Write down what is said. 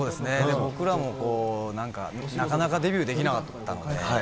僕らもなんか、なかなかデビューできなかったので。